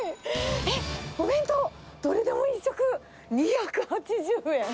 えっ、お弁当、どれでも１食２８０円。